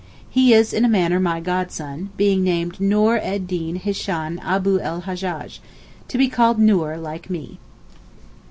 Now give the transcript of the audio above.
He is in a manner my godson, being named Noor ed Deen Hishan Abu l Hajjaj, to be called Noor like me.